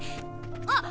あっ！